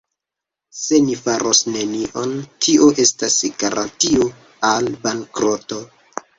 Se ni faros nenion, tio estos garantio al bankroto.